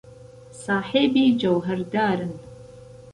ساحێبی جەوهەردارن.